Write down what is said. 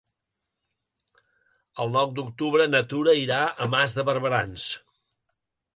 El nou d'octubre na Tura irà a Mas de Barberans.